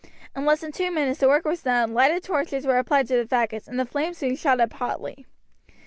In less than two minutes the work was done, lighted torches were applied to the faggots, and the flames soon shot up hotly.